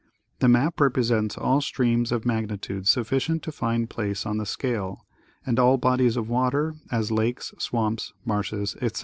The map represents all streams of magnitude sufficient to find place on the scale, and all bodies of water, as lakes, swamps, marshes, etc.